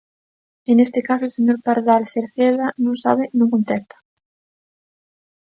E neste caso o señor Pardal Cerceda non sabe non contesta.